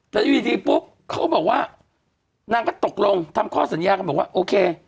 แต่อยู่ดีปุ๊บเขาก็บอกว่านางก็ตกลงทำข้อสัญญากันบอกว่าโอเค